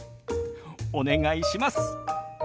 お願いします。